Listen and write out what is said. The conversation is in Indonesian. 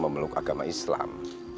memeluk agama islam